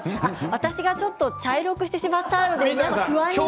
私がちょっと茶色くしてしまったんです。